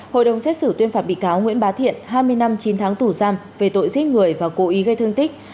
hội đồng xét xử tuyên phạt bị cáo nguyễn bá thiện hai mươi năm chín tháng tù giam về tội giết người và cố ý gây thương tích